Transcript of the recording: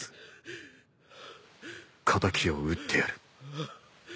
敵を討ってやる。